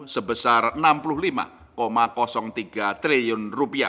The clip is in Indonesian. sebesar rp enam puluh lima tiga triliun